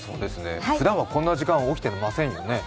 ふだんはこんな時間、起きていませんよね？